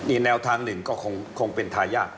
อีกแนวทางหนึ่งก็คงเป็นทายาท